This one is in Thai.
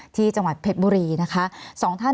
มีความรู้สึกว่ามีความรู้สึกว่า